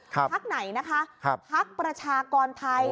พักไหนนะคะพักประชากรไทย